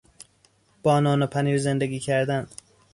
با نان و پنیر زندگی کردن